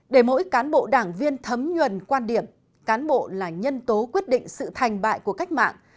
để mỗi cán bộ đảng viên thấm nhuần quan điểm cán bộ là nhân tố quyết định sự thành bại của cách mạng